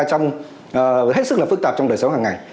trong hết sức là phức tạp trong đời sống hàng ngày